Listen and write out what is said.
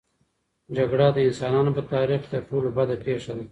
جګړه د انسانانو په تاریخ کې تر ټولو بده پېښه ده.